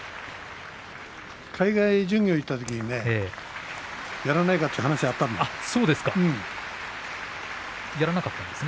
海外巡業に行ったときに、やらないかというやらなかったんですね。